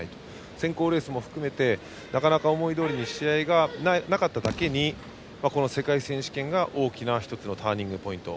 選考レースも含めてなかなか思いどおりに試合がなかっただけにこの世界選手権が大きな１つのターニングポイント。